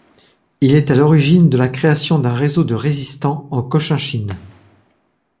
Il est à l’origine de la création d’un réseau de résistants en Cochinchine.